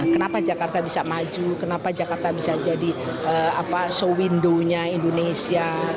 kenapa jakarta bisa maju kenapa jakarta bisa jadi show window nya indonesia